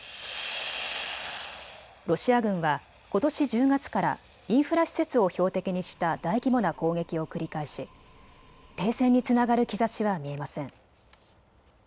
ロシア軍はことし１０月からインフラ施設を標的にした大規模な攻撃を繰り返し停戦につながる兆しは見えません。